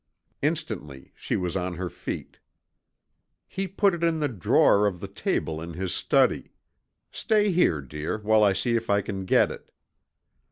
Instantly she was on her feet. "He put it in the drawer of the table in his study. Stay here, dear, while I see if I can get it."